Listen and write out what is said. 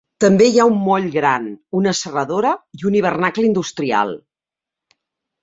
També hi ha un moll gran, una serradora i un hivernacle industrial.